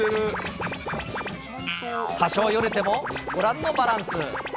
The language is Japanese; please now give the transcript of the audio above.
多少よれてもご覧のバランス。